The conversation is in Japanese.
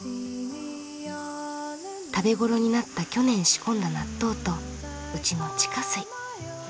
食べごろになった去年仕込んだ納豆とうちの地下水。